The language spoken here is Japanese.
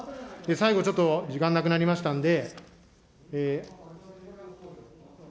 最後ちょっと、時間なくなりましたんで。